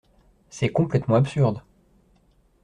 C’est complètement absurde.